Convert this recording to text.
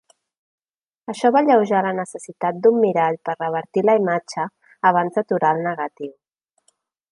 Això va alleujar la necessitat d'un mirall per revertir la imatge abans d'aturar el negatiu.